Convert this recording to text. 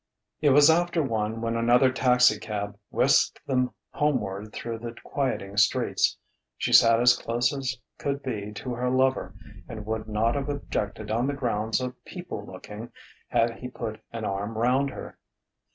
It was after one when another taxicab whisked them homeward through the quieting streets. She sat as close as could be to her lover and would not have objected on the grounds of "people looking" had he put an arm round her.